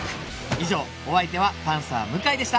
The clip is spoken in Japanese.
以上お相手はパンサー向井でした